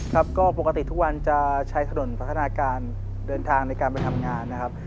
ครับก็ปกติทุกวันจะใช้ถนนพัฒนาการเดินทางในการไปทำงานนะครับ